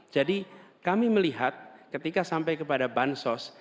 jadi kami melihat ketika sampai kepada bansos